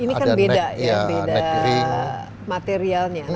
ini kan beda ya beda materialnya